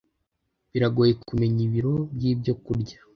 Biragoye kumenya ibiro byibyokurya